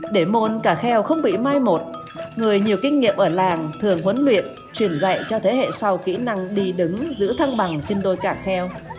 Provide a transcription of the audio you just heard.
để môn cả kheo không bị mai một người nhiều kinh nghiệm ở làng thường huấn luyện truyền dạy cho thế hệ sau kỹ năng đi đứng giữ thăng bằng trên đôi cả kheo